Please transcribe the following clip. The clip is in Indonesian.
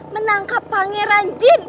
menangkap pangeran jin